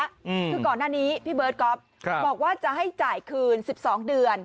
คือก่อนหน้านี้พี่เบิร์ตก๊อฟครับบอกว่าจะให้จ่ายคืนสิบสองเดือน